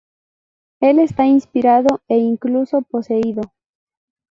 Él está inspirado e incluso poseído.